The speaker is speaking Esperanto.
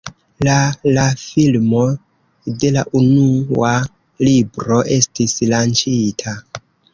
La la filmo de la unua libro estis lanĉita.